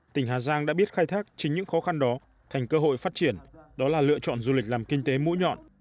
tỉnh hà giang đã biết khai thác chính những khó khăn đó thành cơ hội phát triển đó là lựa chọn du lịch làm kinh tế mũi nhọn